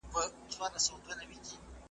تل د بل عیبونه ګورې سترګي پټي کړې پر خپلو .